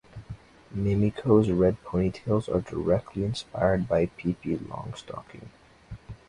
Mimiko's red ponytails are directly inspired by Pippi Longstocking.